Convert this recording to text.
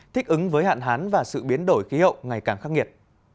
thích ứng với hạn hán và sự biến đổi khí hậu ngày càng khắc nghiệt